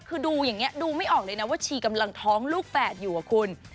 คือดูอย่างนี้ดูไม่ออกเลยนะว่าชีกำลังท้องลูกแฝดอยู่อะคุณ